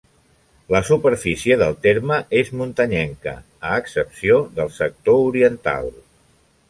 La superfície del terme és muntanyenca, a excepció del sector oriental.